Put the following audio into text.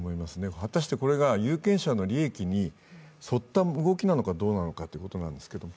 果たしてこれが有権者の利益に沿ったものなのかどうかということですけれども、